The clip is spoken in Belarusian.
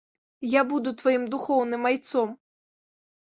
Я буду тваім духоўным айцом!